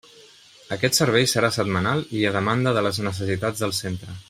Aquest servei serà setmanal i a demanda de les necessitats del Centre.